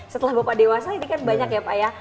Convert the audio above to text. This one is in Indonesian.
setelah bapak dewasa ini kan banyak ya pak ya